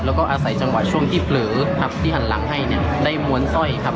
แล้วก็อาศัยจังหวะช่วงที่เผลอพับที่หันหลังให้เนี่ยได้ม้วนสร้อยครับ